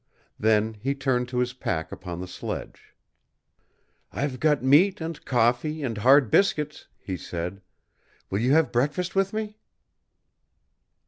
Then he turned to his pack upon the sledge. "I've got meat and coffee and hard biscuits," he said. "Will you have breakfast with me?"